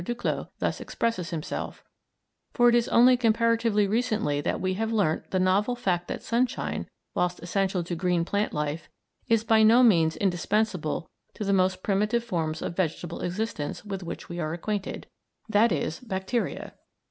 Duclaux thus expresses himself, for it is only comparatively recently that we have learnt the novel fact that sunshine, whilst essential to green plant life, is by no means indispensable to the most primitive forms of vegetable existence with which we are acquainted, i.e. bacteria.